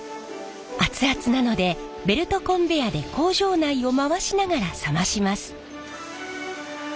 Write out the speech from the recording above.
熱々なのでベルトコンベヤーで工場内を回しながら冷まします。